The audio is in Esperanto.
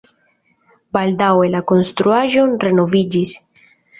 Baldaŭe la konstruaĵo renoviĝis.